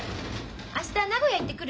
明日名古屋行ってくる。